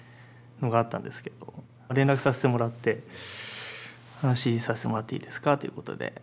連絡させてもらって話させてもらっていいですかということで。